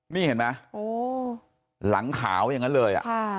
นี่เห็นไหมหลังขาวอย่างนั้นเลย